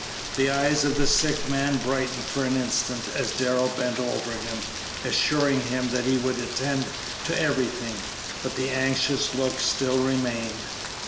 The eyes of the sick man brightened for an instant as Darrell bent over him, assuring him that he would attend to everything, but the anxious look still remained.